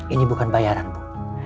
ini bukan bayaran bu